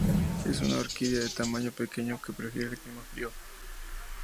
Es una orquídea de tamaño pequeño, que prefiere el clima frío.